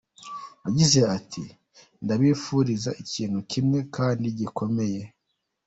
Yagize ati “Ndabifuriza ikintu kimwe kandi gikomeye.